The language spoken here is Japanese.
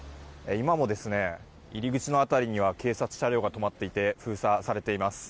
今も、入り口の辺りに警察車両が止まっていて封鎖されています。